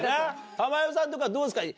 珠代さんとかどうですか？